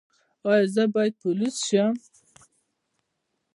ایا زه باید پولیس شم؟